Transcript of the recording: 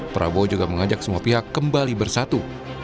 prabowo juga mengajak semua pihak kembali bersatu